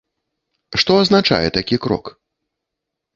Што азначае такі крок?